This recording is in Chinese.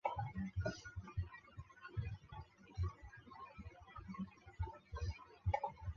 整体设备效率可应用于工厂的生产线或独立的部门。